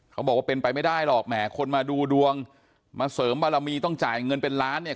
เขาบอกว่าเป็นไปไม่ได้หรอกแหมคนมาดูดวงมาเสริมบารมีต้องจ่ายเงินเป็นล้านเนี่ย